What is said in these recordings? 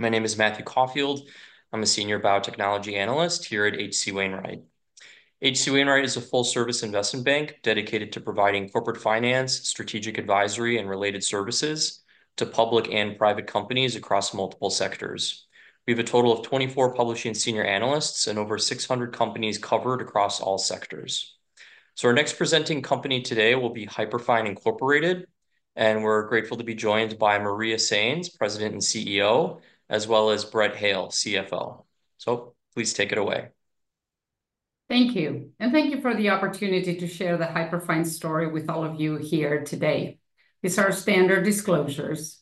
My name is Matthew Caulfield. I'm a senior biotechnology analyst here at H.C. Wainwright. H.C. Wainwright is a full service investment bank dedicated to providing corporate finance, strategic advisory, and related services to public and private companies across multiple sectors. We have a total of 24 publishing senior analysts and over 600 companies covered across all sectors. So our next presenting company today will be Hyperfine Incorporated, and we're grateful to be joined by Maria Sainz, President and CEO, as well as Brett Hale, CFO. So please take it away. Thank you, and thank you for the opportunity to share the Hyperfine story with all of you here today. These are our standard disclosures.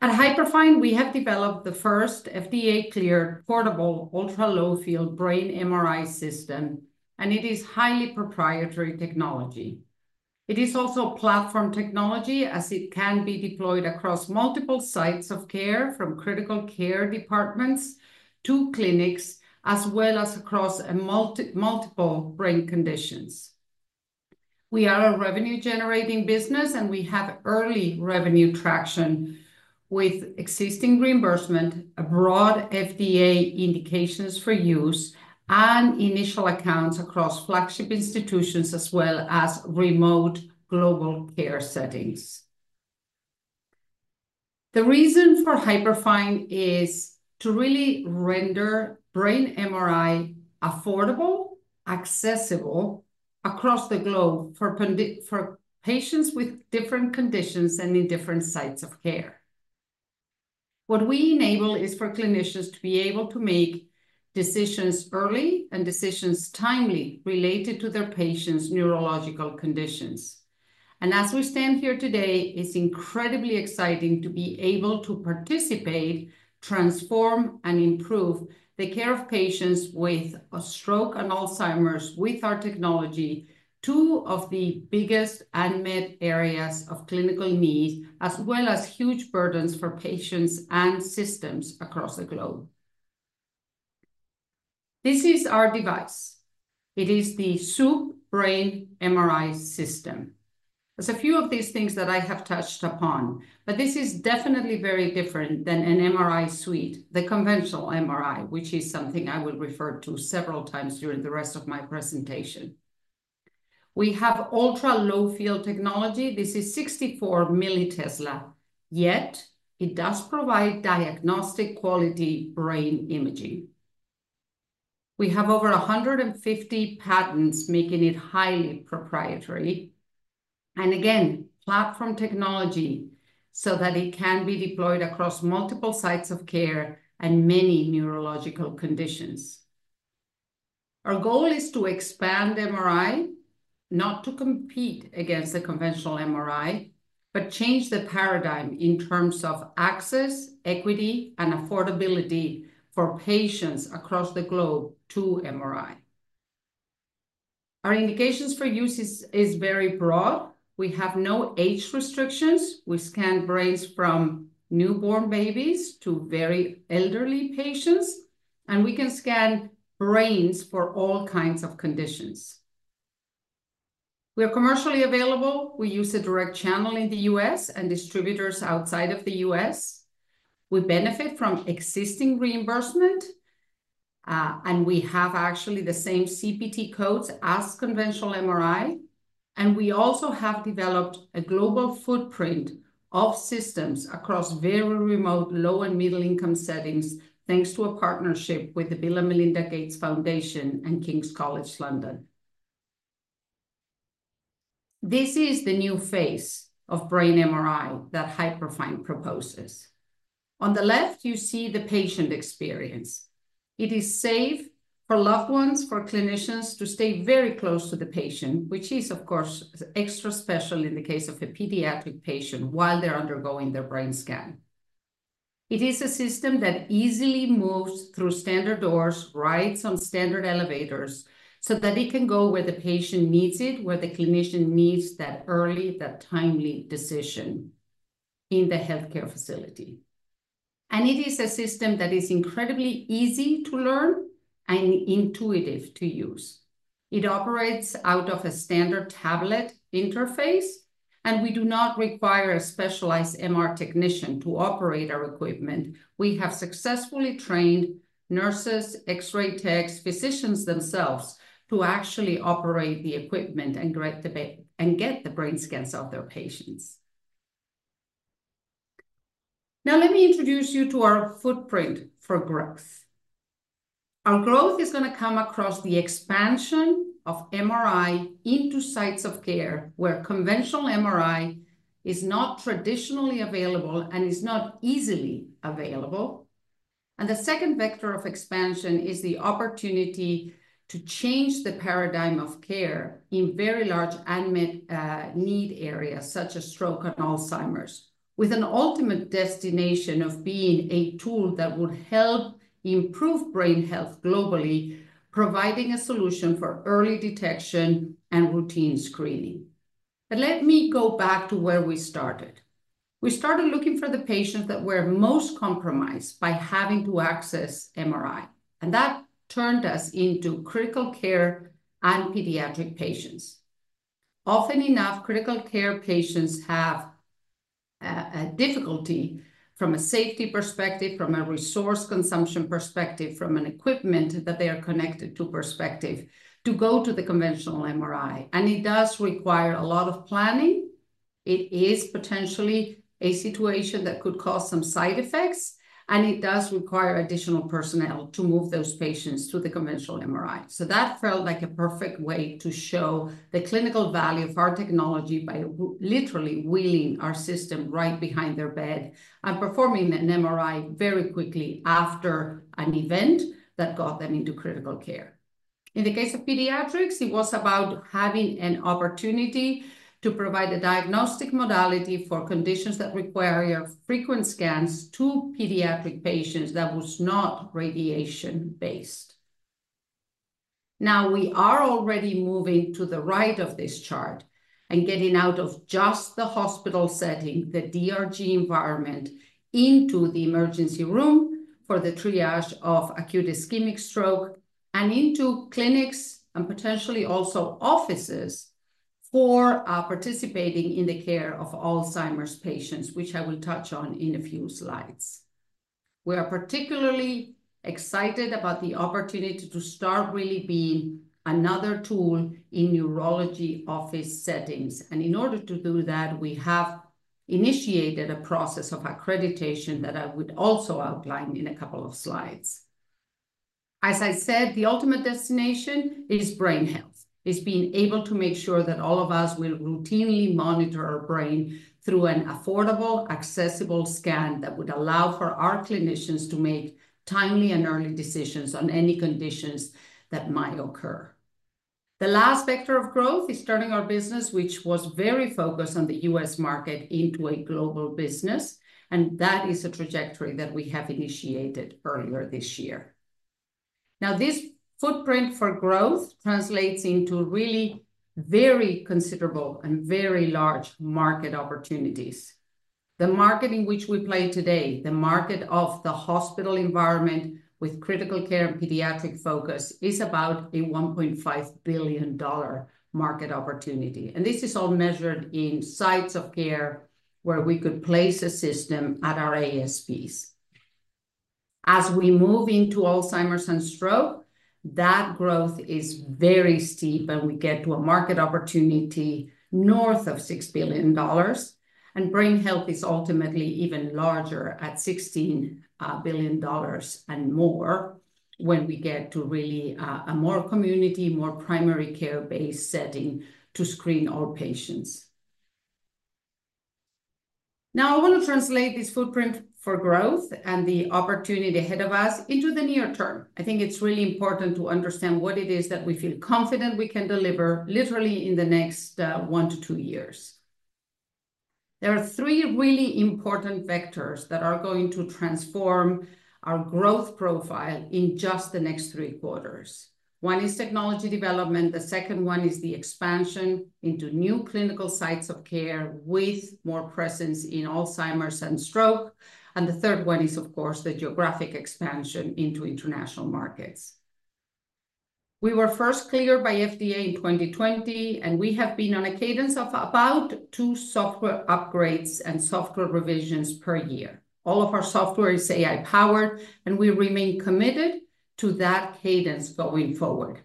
At Hyperfine, we have developed the first FDA-cleared, portable, ultra-low field brain MRI system, and it is highly proprietary technology. It is also platform technology, as it can be deployed across multiple sites of care, from critical care departments to clinics, as well as across a multiple brain conditions. We are a revenue-generating business, and we have early revenue traction with existing reimbursement, a broad FDA indications for use, and initial accounts across flagship institutions, as well as remote global care settings. The reason for Hyperfine is to really render brain MRI affordable, accessible across the globe for patients with different conditions and in different sites of care. What we enable is for clinicians to be able to make decisions early and decisions timely related to their patients' neurological conditions, and as we stand here today, it's incredibly exciting to be able to participate, transform, and improve the care of patients with a stroke and Alzheimer's with our technology, two of the biggest unmet areas of clinical need, as well as huge burdens for patients and systems across the globe. This is our device. It is the Swoop brain MRI system. There's a few of these things that I have touched upon, but this is definitely very different than an MRI suite, the conventional MRI, which is something I will refer to several times during the rest of my presentation. We have ultra-low field technology. This is 64 millitesla, yet it does provide diagnostic quality brain imaging. We have over a hundred and fifty patents, making it highly proprietary, and again, platform technology, so that it can be deployed across multiple sites of care and many neurological conditions. Our goal is to expand MRI, not to compete against the conventional MRI, but change the paradigm in terms of access, equity, and affordability for patients across the globe to MRI. Our indications for use is very broad. We have no age restrictions. We scan brains from newborn babies to very elderly patients, and we can scan brains for all kinds of conditions. We are commercially available. We use a direct channel in the U.S. and distributors outside of the U.S. We benefit from existing reimbursement, and we have actually the same CPT codes as conventional MRI, and we also have developed a global footprint of systems across very remote, low, and middle-income settings, thanks to a partnership with the Bill and Melinda Gates Foundation and King's College London. This is the new face of brain MRI that Hyperfine proposes. On the left, you see the patient experience. It is safe for loved ones, for clinicians to stay very close to the patient, which is, of course, extra special in the case of a pediatric patient while they're undergoing their brain scan. It is a system that easily moves through standard doors, rides on standard elevators, so that it can go where the patient needs it, where the clinician needs that early, that timely decision in the healthcare facility. It is a system that is incredibly easy to learn and intuitive to use. It operates out of a standard tablet interface, and we do not require a specialized MR technician to operate our equipment. We have successfully trained nurses, X-ray techs, physicians themselves to actually operate the equipment and get the brain scans of their patients. Now, let me introduce you to our footprint for growth. Our growth is gonna come across the expansion of MRI into sites of care, where conventional MRI is not traditionally available and is not easily available. The second vector of expansion is the opportunity to change the paradigm of care in very large unmet need areas, such as stroke and Alzheimer's, with an ultimate destination of being a tool that will help improve brain health globally, providing a solution for early detection and routine screening. But let me go back to where we started. We started looking for the patients that were most compromised by having to access MRI, and that turned us into critical care and pediatric patients. Often enough, critical care patients have a difficulty from a safety perspective, from a resource consumption perspective, from an equipment that they are connected to perspective, to go to the conventional MRI, and it does require a lot of planning. It is potentially a situation that could cause some side effects, and it does require additional personnel to move those patients to the conventional MRI. So that felt like a perfect way to show the clinical value of our technology by literally wheeling our system right behind their bed and performing an MRI very quickly after an event that got them into critical care. In the case of pediatrics, it was about having an opportunity to provide a diagnostic modality for conditions that require frequent scans to pediatric patients that was not radiation-based. Now, we are already moving to the right of this chart and getting out of just the hospital setting, the DRG environment, into the emergency room for the triage of acute ischemic stroke, and into clinics and potentially also offices for participating in the care of Alzheimer's patients, which I will touch on in a few slides. We are particularly excited about the opportunity to start really being another tool in neurology office settings, and in order to do that, we have initiated a process of accreditation that I would also outline in a couple of slides. As I said, the ultimate destination is brain health. It's being able to make sure that all of us will routinely monitor our brain through an affordable, accessible scan that would allow for our clinicians to make timely and early decisions on any conditions that might occur. The last vector of growth is turning our business, which was very focused on the U.S. market, into a global business, and that is a trajectory that we have initiated earlier this year. Now, this footprint for growth translates into really very considerable and very large market opportunities. The market in which we play today, the market of the hospital environment with critical care and pediatric focus, is about a $1.5 billion market opportunity, and this is all measured in sites of care where we could place a system at our ASPs. As we move into Alzheimer's and stroke, that growth is very steep, and we get to a market opportunity north of $6 billion, and brain health is ultimately even larger at $16 billion and more when we get to really, a more community, more primary care-based setting to screen all patients. Now, I want to translate this footprint for growth and the opportunity ahead of us into the near term. I think it's really important to understand what it is that we feel confident we can deliver literally in the next, one to two years. There are three really important vectors that are going to transform our growth profile in just the next three quarters. One is technology development, the second one is the expansion into new clinical sites of care with more presence in Alzheimer's and stroke, and the third one is, of course, the geographic expansion into international markets. We were first cleared by FDA in 2020, and we have been on a cadence of about two software upgrades and software revisions per year. All of our software is AI-powered, and we remain committed to that cadence going forward.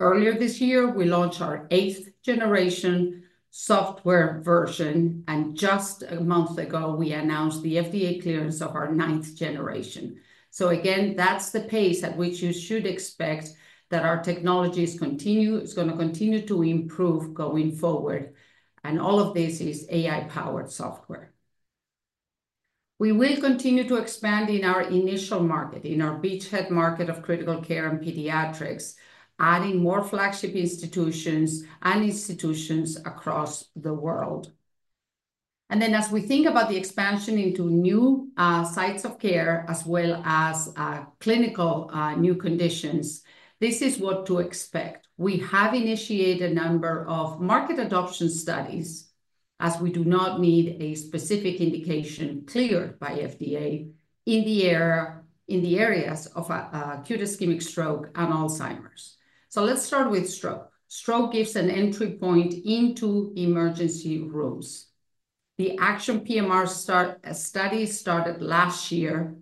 Earlier this year, we launched our eighth-generation software version, and just a month ago, we announced the FDA clearance of our ninth generation. So again, that's the pace at which you should expect that our technologies continue, it's gonna continue to improve going forward, and all of this is AI-powered software. We will continue to expand in our initial market, in our beachhead market of critical care and pediatrics, adding more flagship institutions and institutions across the world, and then, as we think about the expansion into new sites of care, as well as clinical new conditions, this is what to expect. We have initiated a number of market adoption studies, as we do not need a specific indication cleared by FDA, in the areas of acute ischemic stroke and Alzheimer's. So let's start with stroke. Stroke gives an entry point into emergency rooms. The ACTION PMR study started last year,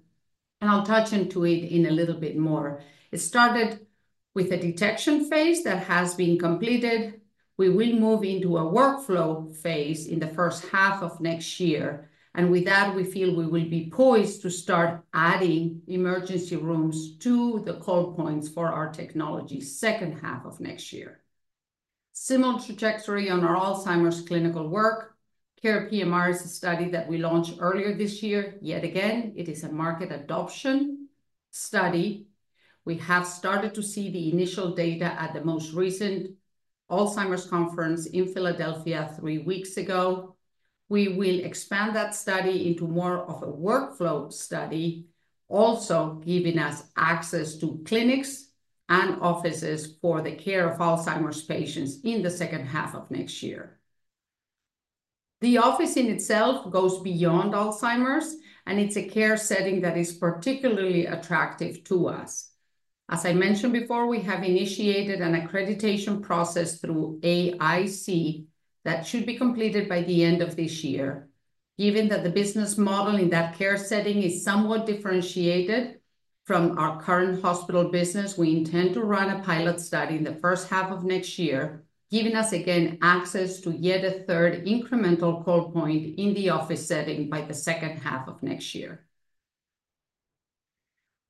and I'll touch into it in a little bit more. It started with a detection phase that has been completed. We will move into a workflow phase in the first half of next year, and with that, we feel we will be poised to start adding emergency rooms to the call points for our technology second half of next year. Similar trajectory on our Alzheimer's clinical work. CARE PMR is a study that we launched earlier this year. Yet again, it is a market adoption study. We have started to see the initial data at the most recent Alzheimer's conference in Philadelphia three weeks ago. We will expand that study into more of a workflow study, also giving us access to clinics and offices for the care of Alzheimer's patients in the second half of next year. The office in itself goes beyond Alzheimer's, and it's a care setting that is particularly attractive to us. As I mentioned before, we have initiated an accreditation process through IAC that should be completed by the end of this year. Given that the business model in that care setting is somewhat differentiated from our current hospital business, we intend to run a pilot study in the first half of next year, giving us again access to yet a third incremental call point in the office setting by the second half of next year.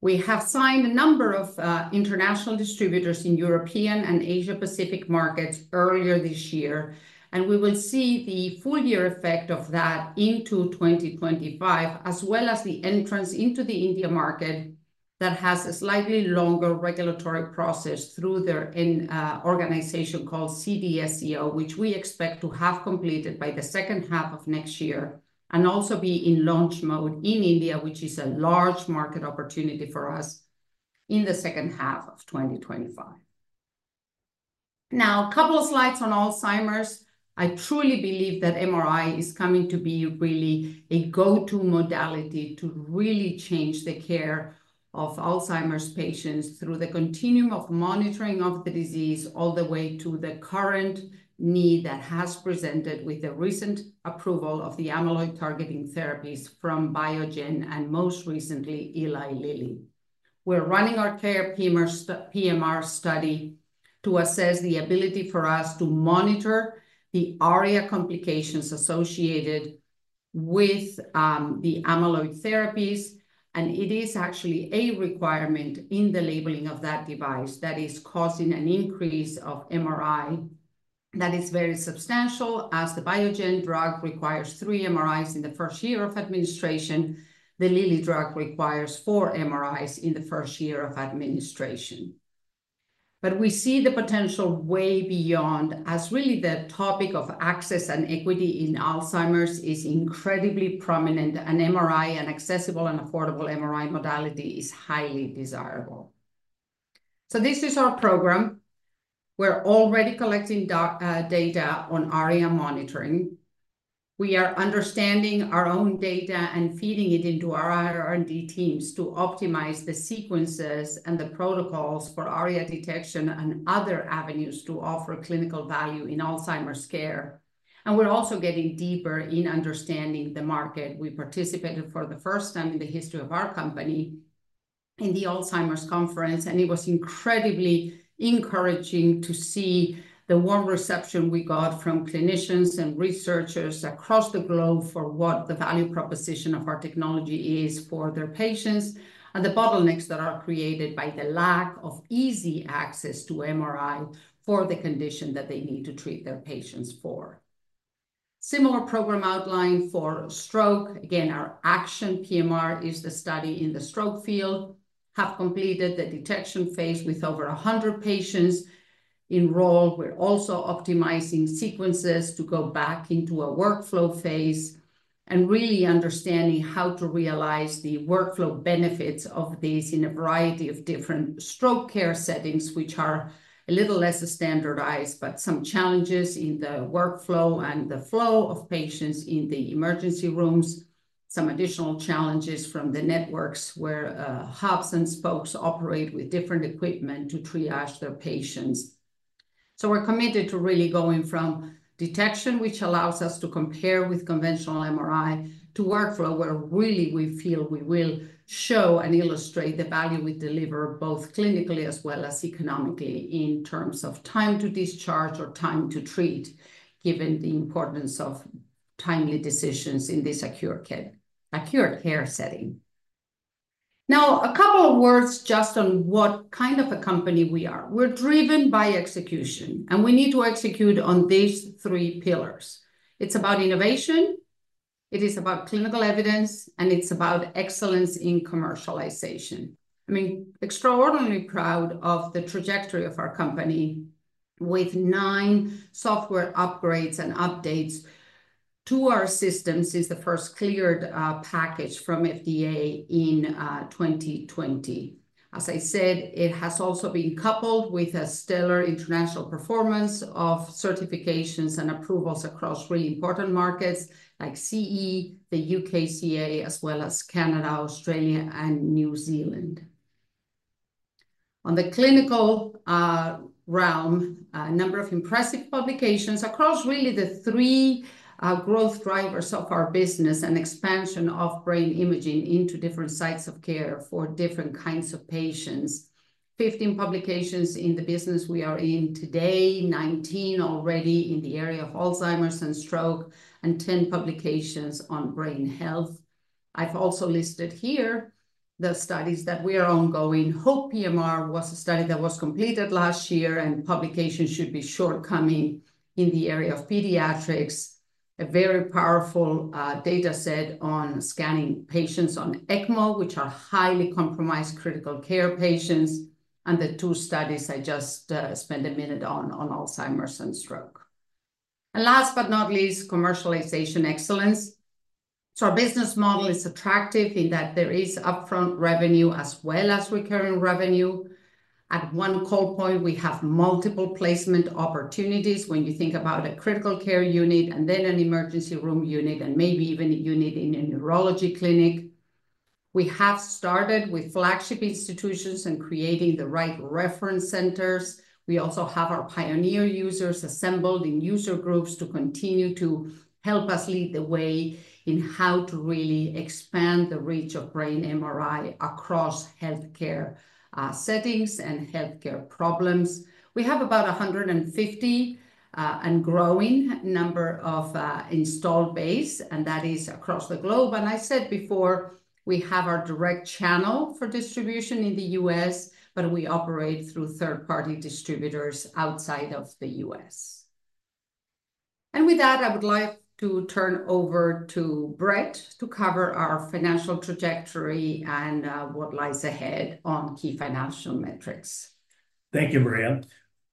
We have signed a number of international distributors in European and Asia Pacific markets earlier this year, and we will see the full year effect of that into 2025, as well as the entrance into the India market that has a slightly longer regulatory process through their organization called CDSCO, which we expect to have completed by the second half of next year, and also be in launch mode in India, which is a large market opportunity for us in the second half of 2025. Now, a couple of slides on Alzheimer's. I truly believe that MRI is coming to be really a go-to modality to really change the care of Alzheimer's patients through the continuum of monitoring of the disease, all the way to the current need that has presented with the recent approval of the amyloid-targeting therapies from Biogen and most recently, Eli Lilly. We're running our CARE PMR study to assess the ability for us to monitor the ARIA complications associated with the amyloid therapies, and it is actually a requirement in the labeling of that device that is causing an increase of MRI that is very substantial, as the Biogen drug requires three MRIs in the first year of administration. The Lilly drug requires four MRIs in the first year of administration. But we see the potential way beyond, as really the topic of access and equity in Alzheimer's is incredibly prominent, and MRI, an accessible and affordable MRI modality is highly desirable. So this is our program. We're already collecting data on ARIA monitoring. We are understanding our own data and feeding it into our R&D teams to optimize the sequences and the protocols for ARIA detection and other avenues to offer clinical value in Alzheimer's care. And we're also getting deeper in understanding the market. We participated for the first time in the history of our company in the Alzheimer's Conference, and it was incredibly encouraging to see the warm reception we got from clinicians and researchers across the globe for what the value proposition of our technology is for their patients, and the bottlenecks that are created by the lack of easy access to MRI for the condition that they need to treat their patients for. Similar program outline for stroke. Again, our ACTION PMR is the study in the stroke field, have completed the detection phase with over a hundred patients enrolled. We're also optimizing sequences to go back into a workflow phase and really understanding how to realize the workflow benefits of these in a variety of different stroke care settings, which are a little less standardized, but some challenges in the workflow and the flow of patients in the emergency rooms. Some additional challenges from the networks where, hubs and spokes operate with different equipment to triage their patients. So we're committed to really going from detection, which allows us to compare with conventional MRI, to workflow, where really we feel we will show and illustrate the value we deliver, both clinically as well as economically, in terms of time to discharge or time to treat, given the importance of timely decisions in this acute care setting. Now, a couple of words just on what kind of a company we are. We're driven by execution, and we need to execute on these three pillars. It's about innovation, it is about clinical evidence, and it's about excellence in commercialization. I mean, extraordinarily proud of the trajectory of our company with nine software upgrades and updates to our systems since the first cleared package from FDA in 2020. As I said, it has also been coupled with a stellar international performance of certifications and approvals across really important markets like CE, the UKCA, as well as Canada, Australia, and New Zealand. On the clinical realm, a number of impressive publications across really the three growth drivers of our business and expansion of brain imaging into different sites of care for different kinds of patients. 15 publications in the business we are in today, 19 already in the area of Alzheimer's and stroke, and 10 publications on brain health. I've also listed here the studies that we are ongoing. HOPE PMR was a study that was completed last year, and publication should be forthcoming in the area of pediatrics, a very powerful dataset on scanning patients on ECMO, which are highly compromised critical care patients, and the two studies I just spent a minute on, on Alzheimer's and stroke. And last but not least, commercialization excellence. So our business model is attractive in that there is upfront revenue as well as recurring revenue. At one call point, we have multiple placement opportunities when you think about a critical care unit and then an emergency room unit, and maybe even a unit in a neurology clinic. We have started with flagship institutions and creating the right reference centers. We also have our pioneer users assembled in user groups to continue to help us lead the way in how to really expand the reach of brain MRI across healthcare settings and healthcare problems. We have about a hundred and fifty, and growing number of, installed base, and that is across the globe. And I said before, we have our direct channel for distribution in the U.S., but we operate through third-party distributors outside of the U.S. And with that, I would like to turn over to Brett to cover our financial trajectory and what lies ahead on key financial metrics. Thank you, Maria.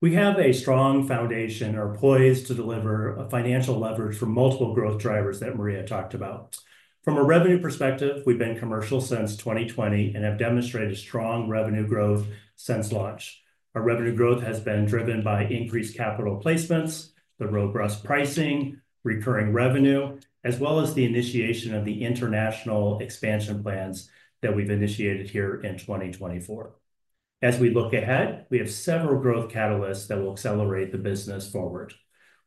We have a strong foundation, are poised to deliver a financial leverage from multiple growth drivers that Maria talked about. From a revenue perspective, we've been commercial since 2020 and have demonstrated strong revenue growth since launch. Our revenue growth has been driven by increased capital placements, the robust pricing, recurring revenue, as well as the initiation of the international expansion plans that we've initiated here in 2024. As we look ahead, we have several growth catalysts that will accelerate the business forward.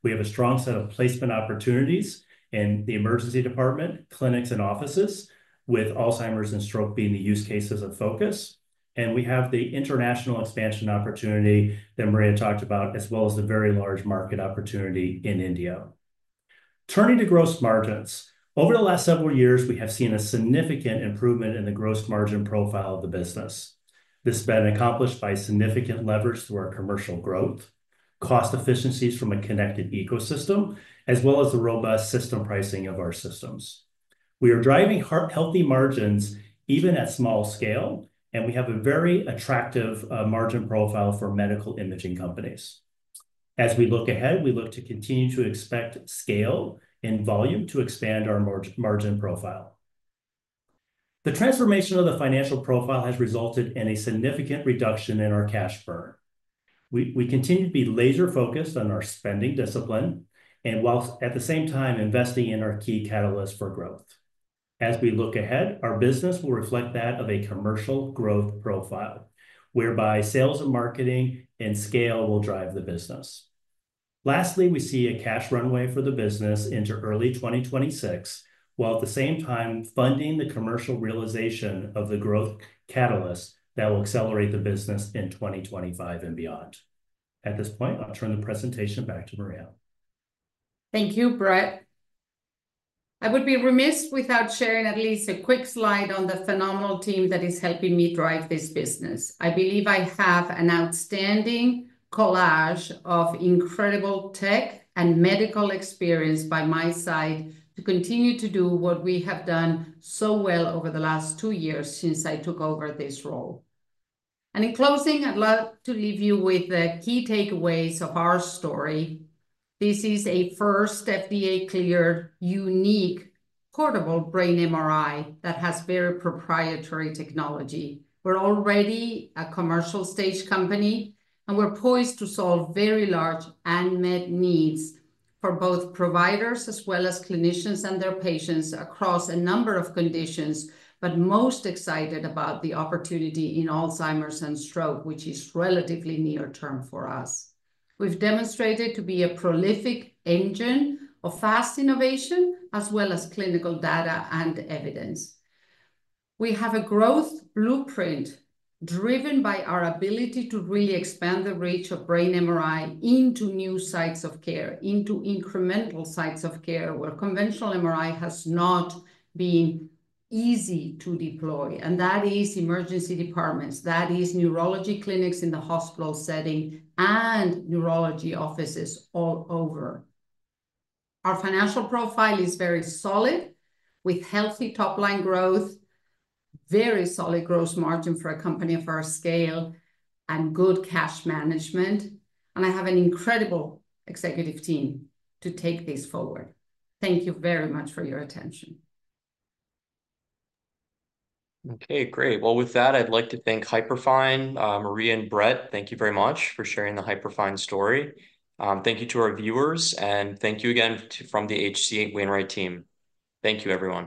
We have a strong set of placement opportunities in the emergency department, clinics, and offices, with Alzheimer's and stroke being the use cases of focus, and we have the international expansion opportunity that Maria talked about, as well as the very large market opportunity in India. Turning to gross margins, over the last several years, we have seen a significant improvement in the gross margin profile of the business. This has been accomplished by significant leverage through our commercial growth, cost efficiencies from a connected ecosystem, as well as the robust system pricing of our systems. We are driving healthy margins even at small scale, and we have a very attractive margin profile for medical imaging companies. As we look ahead, we look to continue to expect scale and volume to expand our margin profile. The transformation of the financial profile has resulted in a significant reduction in our cash burn. We continue to be laser-focused on our spending discipline, and while at the same time investing in our key catalysts for growth. As we look ahead, our business will reflect that of a commercial growth profile, whereby sales and marketing and scale will drive the business. Lastly, we see a cash runway for the business into early 2026, while at the same time funding the commercial realization of the growth catalyst that will accelerate the business in 2025 and beyond. At this point, I'll turn the presentation back to Maria. Thank you, Brett. I would be remiss without sharing at least a quick slide on the phenomenal team that is helping me drive this business. I believe I have an outstanding collage of incredible tech and medical experience by my side to continue to do what we have done so well over the last two years since I took over this role. And in closing, I'd love to leave you with the key takeaways of our story. This is a first FDA-cleared, unique portable brain MRI that has very proprietary technology. We're already a commercial stage company, and we're poised to solve very large unmet needs for both providers as well as clinicians and their patients across a number of conditions, but most excited about the opportunity in Alzheimer's and stroke, which is relatively near-term for us. We've demonstrated to be a prolific engine of fast innovation, as well as clinical data and evidence. We have a growth blueprint driven by our ability to really expand the reach of brain MRI into new sites of care, into incremental sites of care, where conventional MRI has not been easy to deploy, and that is emergency departments, that is neurology clinics in the hospital setting and neurology offices all over. Our financial profile is very solid, with healthy top-line growth, very solid gross margin for a company of our scale, and good cash management, and I have an incredible executive team to take this forward. Thank you very much for your attention. Okay, great. With that, I'd like to thank Hyperfine. Maria and Brett, thank you very much for sharing the Hyperfine story. Thank you to our viewers, and thank you again to the H.C. Wainwright team. Thank you, everyone.